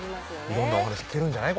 色んなお話聞けるんじゃない？